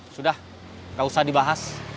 sudah gak usah dibahas